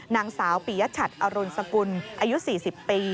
นางสาวปียชัดอรุณสกุลอายุ๔๐ปี